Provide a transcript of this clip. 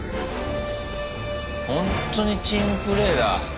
ほんとにチームプレーだ。